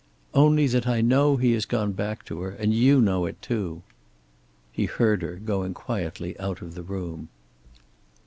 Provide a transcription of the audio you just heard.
"Only that I know he has gone back to her. And you know it too." He heard her going quietly out of the room.